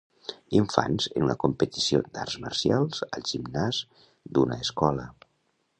Infants en una competició d'arts marcials al gimnàs d'una escola.